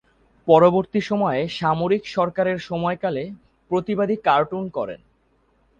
পরবর্তী সময়ে সামরিক সরকারের সময়কালে প্রতিবাদী কার্টুন করেন।